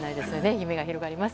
夢が広がります。